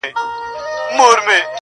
دپولادو مړوندونه -